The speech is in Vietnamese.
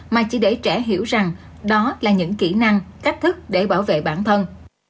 mà chỉ để trẻ hiểu rằng đó là những kỹ năng cách thức để bảo vệ bản thân